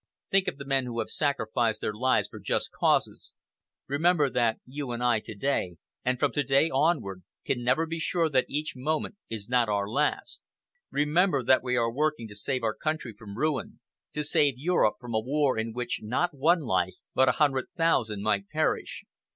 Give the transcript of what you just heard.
Think of the men who have sacrificed their lives for just causes, remember that you and I to day, and from to day onward, can never be sure that each moment is not our last. Remember that we are working to save our country from ruin, to save Europe from a war in which not one life, but a hundred thousand might perish.